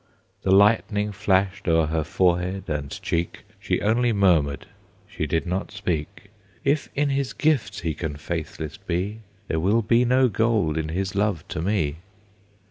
The lightning flashed o'er her forehead and cheek, She only murmured, she did not speak: "If in his gifts he can faithless be, There will be no gold in his love to me."